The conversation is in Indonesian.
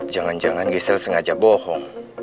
jangan jangan gister sengaja bohong